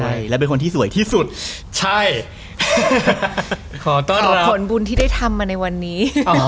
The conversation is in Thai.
ใช่และเป็นคนที่สวยที่สุดใช่ขอต้อนรับผลบุญที่ได้ทำมาในวันนี้